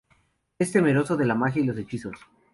Es temeroso de la magia y los hechizos.